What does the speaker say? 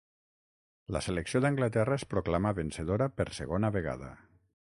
La selecció d'Anglaterra es proclamà vencedora per segona vegada.